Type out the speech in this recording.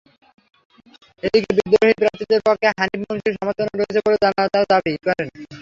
এদিকে বিদ্রোহী প্রার্থীদের পক্ষে হানিফ মুন্সীর সমর্থনও রয়েছে বলে তাঁরা দাবি করেন।